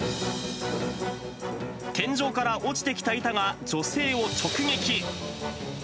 天井から落ちてきた板が女性を直撃。